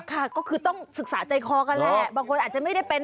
ค่ะก็คือต้องศึกษาใจคอกันแหละบางคนอาจจะไม่ได้เป็น